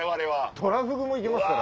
トラフグも行けますから。